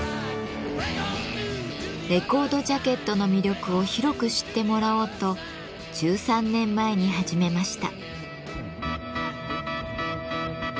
レコードジャケットの魅力を広く知ってもらおうと１３年前に始めました。